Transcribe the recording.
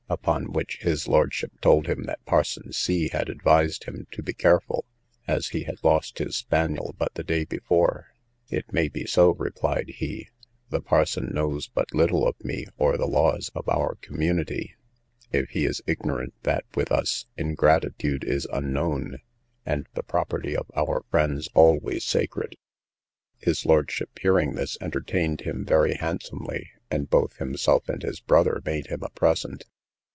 Upon which his lordship told him, that parson C had advised him to be careful, as he had lost his spaniel but the day before. It may be so, replied he: the parson knows but little of me, or the laws of our community, if he is ignorant that with us ingratitude is unknown, and the property of our friends always sacred. His lordship, hearing this, entertained him very handsomely, and both himself and his brother made him a present.